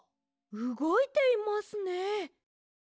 うごいていますね。